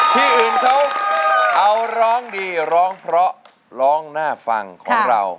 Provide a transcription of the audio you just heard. ที่อื่นเขาเอาร้องดีร้องเพราะร้องน่าฟังของเรา